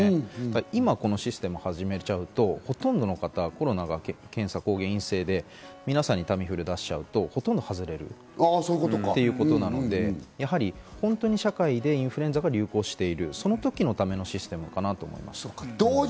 今このシステムを始めちゃうと、ほとんどの方、コロナが抗原検査・陰性で、皆さんにタミフルを出しちゃうとほとんど外れるということなので、本当に社会でインフルエンザが流行している、その時のためのシステムなのかなと思います。